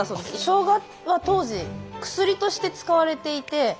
ショウガは当時薬として使われていて。